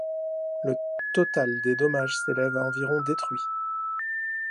Le total des dommages s'élève à environ détruits.